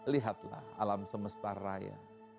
lihatlah alam semesta raya